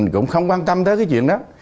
cũng không quan tâm tới cái chuyện đó